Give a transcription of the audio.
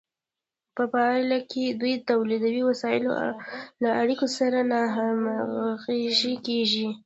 په پایله کې دوی د تولیدي وسایلو له اړیکو سره ناهمغږې کیږي.